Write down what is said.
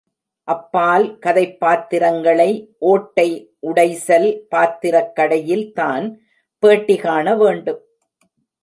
அப்பால், கதைப்பாத்திரங்களை ஓட்டை உடைசல் பாத்திரக்கடை யில் தான் பேட்டி காணவேண்டும்!